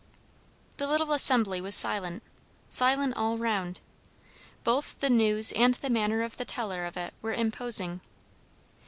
The little assembly was silent, silent all round. Both the news and the manner of the teller of it were imposing.